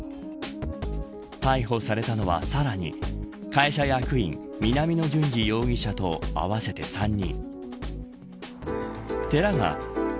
逮捕されたのは、さらに会社役員、南野潤二容疑者合わせて３人。